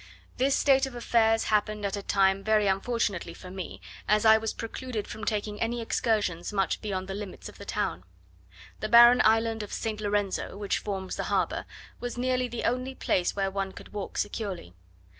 This state of affairs happened at a time very unfortunately for me, as I was precluded from taking any excursions much beyond the limits of the town. The barren island of St. Lorenzo, which forms the harbour, was nearly the only place where one could walk securely.